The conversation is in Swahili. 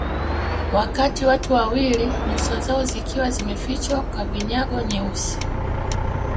Wakati watu wawili nyuso zao zikiwa zimefichwa kwa vinyago nyeusi